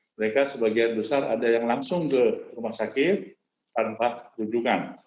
mereka sebagian besar ada yang langsung ke rumah sakit tanpa tunjukkan